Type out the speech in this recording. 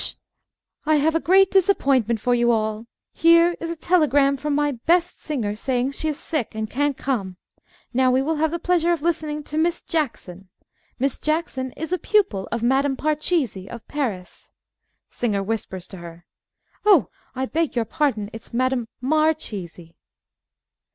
I have a great disappointment for you all. Here is a telegram from my best singer, saying she is sick, and can't come. Now, we will have the pleasure of listening to Miss Jackson. Miss Jackson is a pupil of Madame Parcheesi, of Paris. (Singer whispers to her.) Oh, I beg your pardon! It's Madame _Mar_cheesi.